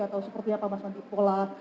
atau seperti apa mas nanti pola